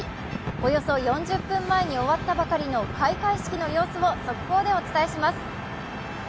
およそ４０分前に終わったばかりの開会式の様子を速報でお伝えします。